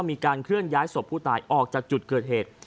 มีการเคลื่อนย้ายศพผู้ตายออกจากจุดเกิดเหตุ